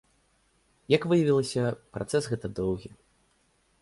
Як выявілася, працэс гэта доўгі.